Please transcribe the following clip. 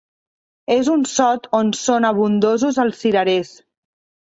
És un sot on són abundosos els cirerers.